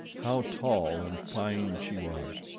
How tall and fine she was!